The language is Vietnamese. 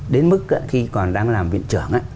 đến mức khi còn đang làm viện trưởng